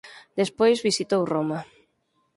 Despois visitou Roma.